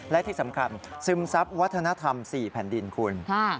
และที่สำคัญซึมซับวัฒนธรรม๔แผ่นดินคุณ